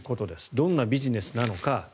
どんなビジネスなのか。